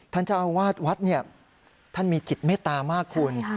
ท่านเจ้าอาวาสวัดเนี่ยท่านมีจิตเมตตามากคุณ